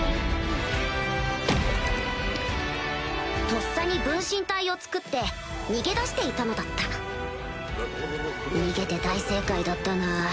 咆哮とっさに分身体を作って逃げ出していたのだった逃げて大正解だったなぁ